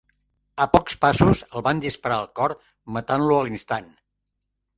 A pocs passos, el van disparar al cor, matant-lo a l'instant.